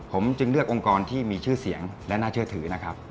ผมจึงเลือกองค์กรที่มีชื่อเสียงและน่าเชื่อถือนะครับ